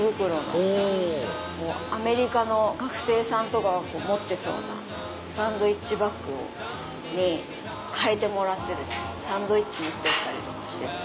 おアメリカの学生さんとかが持ってそうなサンドイッチバッグに替えてもらってサンドイッチ持って行ったりしてた。